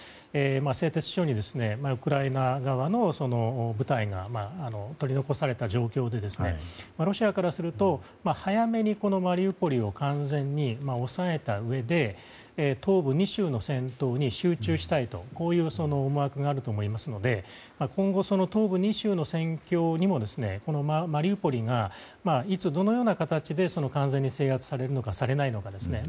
製鉄所にウクライナ側の部隊が取り残された状況でロシアからすると早めにマリウポリを完全に押さえたうえで東部２州の戦闘に集中したいとこういう思惑があると思いますので今後、東部２州の戦況にもこのマリウポリがいつ、どのような形で完全に制圧されるのかされないのかですね。